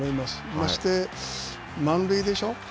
まして、満塁でしょう？